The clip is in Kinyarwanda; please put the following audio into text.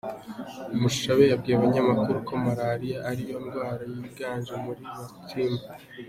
Mushabe yabwiye abanyamakuru ko Malariya ariyo ndwara yiganje muri Matimba.